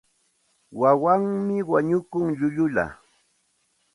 Wawanmi wañukun llullulla.